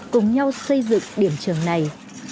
cùng nhau xây dựng điểm trường này